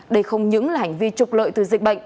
đây không những là hành vi trục lợi từ dịch bệnh